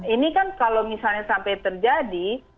ini kan kalau misalnya sampai terjadi